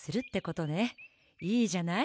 いいじゃない。